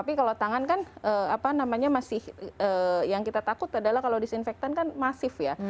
tapi kalau tangan kan apa namanya masih yang kita takut adalah kalau disinfektan kan masif ya